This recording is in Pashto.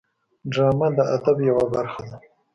ډرامه د ادب یوه برخه ده